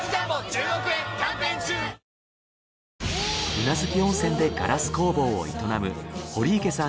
宇奈月温泉でガラス工房を営む堀池さん